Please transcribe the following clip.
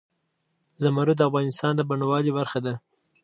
زمرد د افغانستان د بڼوالۍ برخه ده.